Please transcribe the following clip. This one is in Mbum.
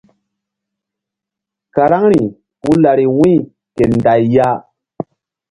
Karaŋri puh lari wu̧y ke nday ya.